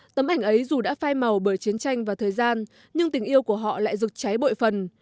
tấm ảnh ấy dù đã phai màu bởi chiến tranh và thời gian nhưng tình yêu của họ lại rực cháy bội phần